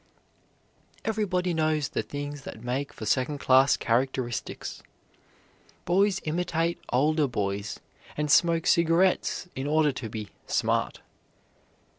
Everybody knows the things that make for second class characteristics. Boys imitate older boys and smoke cigarettes in order to be "smart."